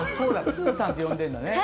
つーたんって呼んでんだね。